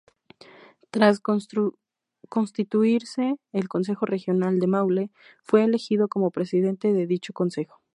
Tras constituirse el Consejo Regional del Maule, fue elegido como Presidente de dicho Consejo.